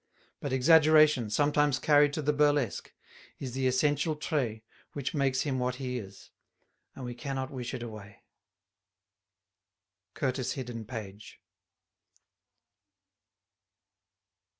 But exaggeration, sometimes carried to the burlesque, is the essential trait which makes him what he is; and we cannot wish it away. CURTIS HIDDEN PAGE.